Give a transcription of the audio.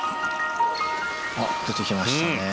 あっ出てきましたね。